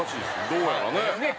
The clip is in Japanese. どうやらね。